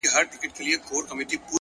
ارامتیا د درک له ژورتیا پیدا کېږي